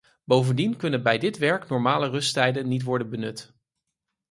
Bovendien kunnen de bij dit werk normale rusttijden niet worden benut.